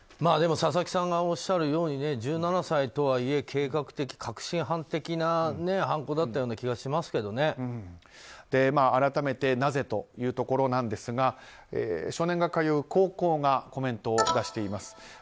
でも、佐々木さんがおっしゃるように１７歳とはいえ計画的、確信犯的な犯行だったような改めて、なぜというところなんですが少年が通う高校がコメントを出しています。